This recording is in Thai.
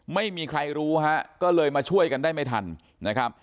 ไม่มีใครรู้ฮะก็เลยมาช่วยกันได้ไม่ทันนะครับ